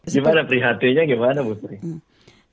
gimana perhatiannya gimana bapak